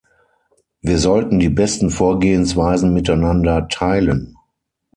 Wir sollten die besten Vorgehensweisen miteinander teilen.